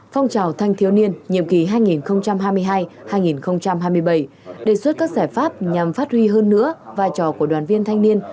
phong trào thanh thiếu niên nhiệm kỳ hai nghìn hai mươi hai hai nghìn hai mươi bảy đề xuất các giải pháp nhằm phát huy hơn nữa vai trò của đoàn viên thanh niên